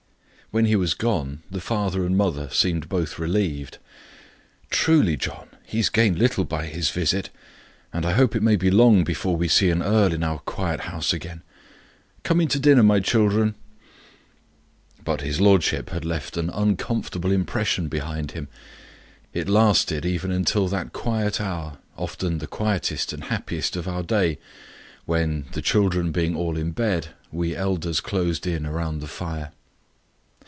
When he was gone the father and mother seemed both relieved. "Truly, John, he has gained little by his visit, and I hope it may be long before we see an earl in our quiet house again. Come in to dinner, my children." But his lordship had left an uncomfortable impression behind him. It lasted even until that quiet hour often the quietest and happiest of our day when, the children being all in bed, we elders closed in round the fire.